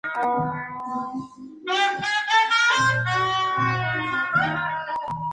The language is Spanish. Fletcher y Beaumont